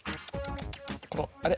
あれ。